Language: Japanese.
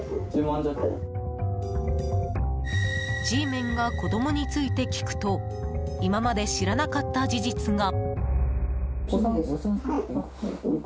Ｇメンが子供について聞くと今まで知らなかった事実が。